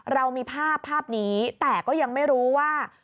เรามีภาพภาพนี้แต่ก็ยังไม่รู้ว่า